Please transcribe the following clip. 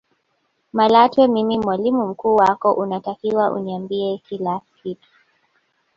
Malatwe mimi mwalimu mkuu wako unatakiwa uniambie kila kitu